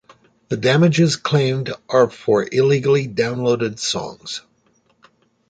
The damages claimed are for illegally downloaded songs.